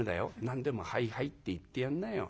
何でも『はいはい』って言ってやんなよ。